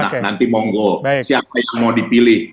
nah nanti monggo siapa yang mau dipilih